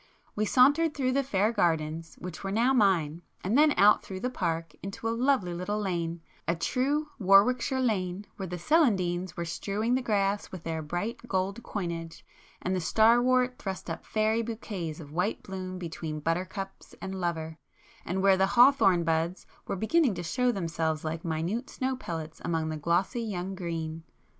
We sauntered through the fair gardens which were now mine, and then out through the park into a lovely little lane,—a true Warwickshire lane, where the celandines were strewing the grass with their bright gold coinage, and the star wort thrust up fairy bouquets of white bloom between buttercups and lover, and where the hawthorn buds were beginning to show themselves like minute snow pellets among the glossy young green.